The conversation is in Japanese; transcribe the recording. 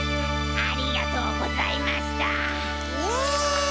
ありがとうございます。